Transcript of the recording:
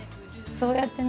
そうやってね